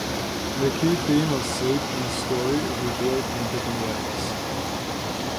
The key theme of sleep in the story is revealed in different ways.